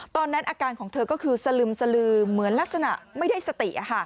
ตอนนั้นอาการของเธอก็คือสลึมสลือเหมือนลักษณะไม่ได้สติ